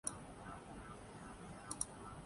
چھلاوہ کی اداکار